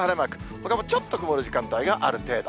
ほかもちょっと曇る時間帯がある程度。